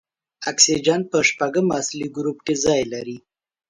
اکسیجن په شپږم اصلي ګروپ کې ځای لري.